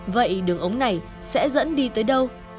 vậy đường ống này sẽ dẫn đi tới đâu